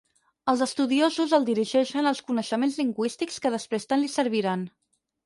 Els estudiosos el dirigeixen als coneixements lingüístics que després tant li serviran.